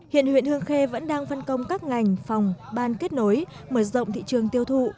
hiện huyện hương khê vẫn đang phân công các ngành phòng ban kết nối mở rộng thị trường tiêu thụ